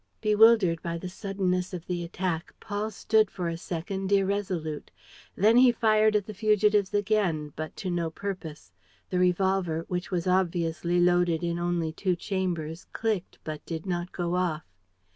Bewildered by the suddenness of the attack, Paul stood for a second irresolute. Then he fired at the fugitives again, but to no purpose. The revolver, which was obviously loaded in only two chambers, clicked but did not go off.